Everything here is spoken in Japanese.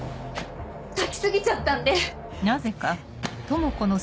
炊き過ぎちゃったんで！